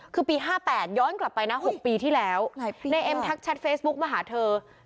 คือปี๕๘ย้อนกลับไปนะ๖ปีที่แล้วนายเอ็มทักแชทเฟซบุ๊กมาหาเธอ